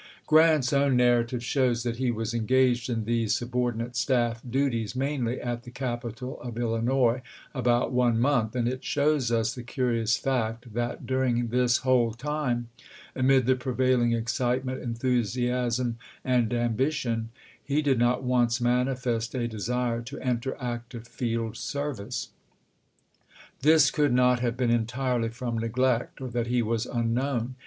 Grant's own narrative shows that he was en gaged in these subordinate staff duties, mainly at the capital of Illinois, about one month, and it shows us the curious fact that during this whole time, amid the prevailing excitement, enthusiasm, and ambition, he did not once manifest a desire to enter active field service. This could not have been entirely from neglect or that he was unknown.